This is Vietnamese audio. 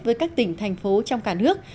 với các tỉnh thành phố trong cả nước